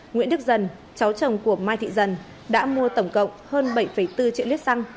nguyễn đức dần cháu chồng của mai thị dần đã mua tổng cộng hơn bảy bốn triệu lít xăng